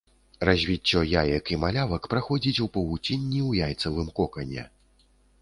Развіццё яек і малявак праходзіць у павуцінні ў яйцавым кокане.